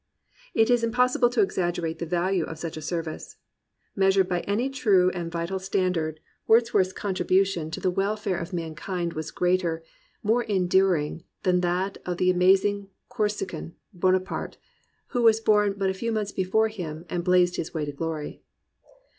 It is impossible to exaggerate the value of such a service. Measured by any true and vital standard 224 THE RECOVERY OF JOY Wordsworth's contribution to the welfare of man kind was greater, more enduring than that of the amazing Corsican, Bonaparte, who was born but a few months before him and blazed his way to glory.